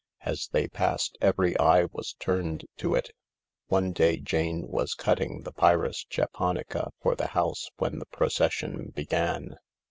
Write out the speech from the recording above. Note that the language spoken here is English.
As they passed every eye was turned to it. One day Jane was cutting the pyrus japonica for the house when the procession began.